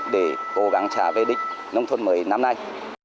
để cố gắng trả về đích nông thôn mới năm nay